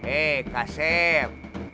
eh kak sif